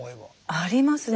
ありますね。